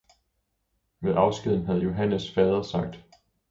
Ved afskeden havde Johannes fader sagt.